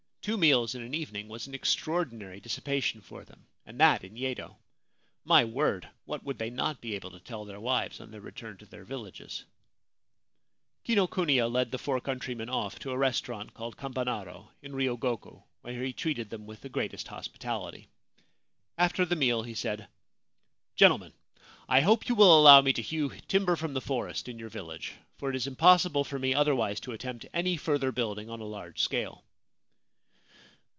Two meals in an evening was an extraordinary dissipation for them, and that in Yedo ! My word, what would they not be able to tell their wives on their return to the villages ? Kinokuniya led the four countrymen off to a restaurant called Kampanaro, in Ryogoku, where he treated them with the greatest hospitality. After the meal he said :' Gentlemen, I hope you will allow me to hew timber from the forest in your village, for it is impossible for me otherwise to attempt any further building on a large scale.'